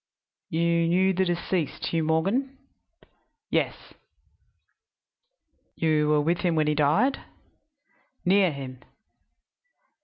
"You knew the deceased, Hugh Morgan?" "Yes." "You were with him when he died?" "Near him."